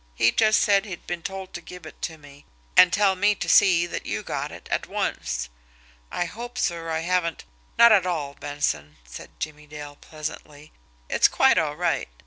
He just said he'd been told to give it to me, and tell me to see that you got it at once. I hope, sir, I haven't " "Not at all, Benson," said Jimmie Dale pleasantly. "It's quite all right.